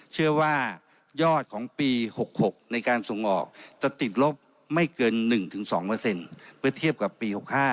เชื่อว่ายอดของปี๖๖ในการส่งออกจะติดลบไม่เกิน๑๒เมื่อเทียบกับปี๖๕